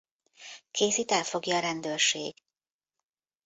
Casey-t elfogja a rendőrség.